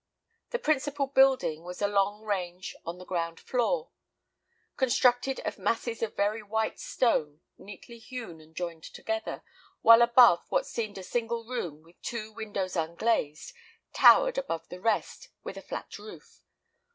The principal building was a long range on the ground floor, constructed of masses of very white stone, neatly hewn and joined together, while above, what seemed a single room, with two windows unglazed, towered above the rest, with a flat roof.